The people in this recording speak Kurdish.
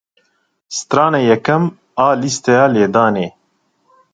Strana yekem a lîsteya lêdanê.